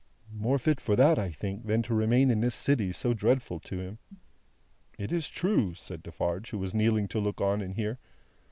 "More fit for that, I think, than to remain in this city, so dreadful to him." "It is true," said Defarge, who was kneeling to look on and hear.